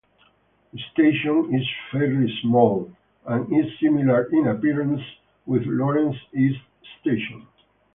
The station is fairly small, and is similar in appearance with Lawrence East station.